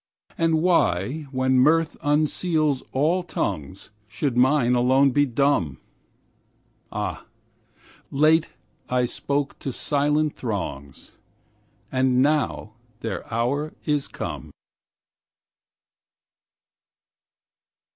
And why, when mirth unseals all tongues, Should mine alone be dumb? Ah! late I spoke to silent throngs, And now their hour is come.